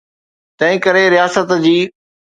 تنهنڪري رياست جي.